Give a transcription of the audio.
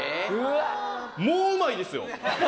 もううまいですよ！